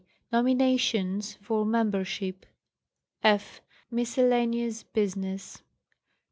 Nominations for membership. jf. Miscellaneous business.